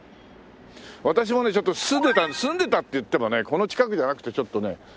私もねちょっと住んでた住んでたっていってもねこの近くじゃなくてちょっとね